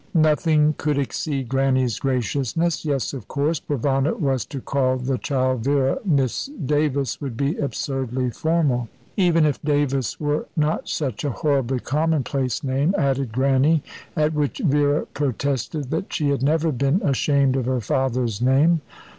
Nothing could exceed Grannie's graciousness. Yes, of course, Provana was to call the child Vera. "Miss Davis" would be absurdly formal. "Even if Davis were not such a horribly commonplace name," added Grannie, at which Vera protested that she had never been ashamed of her father's name.